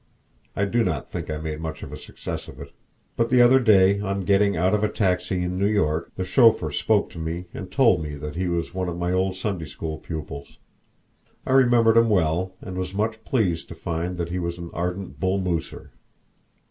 I do not think I made much of a success of it. But the other day on getting out of a taxi in New York the chauffeur spoke to me and told me that he was one of my old Sunday school pupils. I remembered him well, and was much pleased to find that he was an ardent Bull Mooser!